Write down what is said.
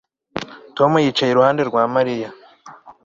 Tom yicaye iruhande rwa Mariya